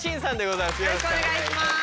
お願いします。